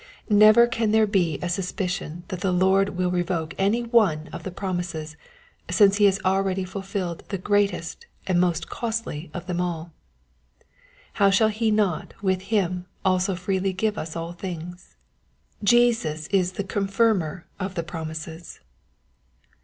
Never can there be a suspicion that the Lord will revoke any one of the promises since he has already ful filled the greatest and most costly of them all. "How shall he not with him also freely give us all things?" Jesus is the Confirmer of the promises.